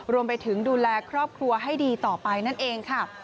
รวมไปถึงดูแลครอบครัวให้ดีต่อไปนั่นเองค่ะ